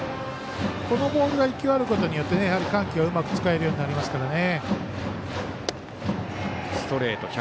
このボールが１球あることによって緩急をうまく使えることになりますね。